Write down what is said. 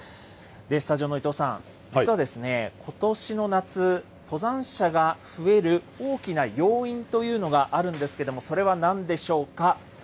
スタジオの伊藤さん、実は、ことしの夏、登山者が増える大きな要因というのがあるんですけども、それはなんでしょうか。